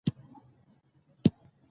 ژوند ورته یوازې انساني غرايز ښکاري.